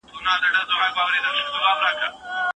نو دخليفه لپاره ضروري دى چې اسلامي حكومت جوړ كړي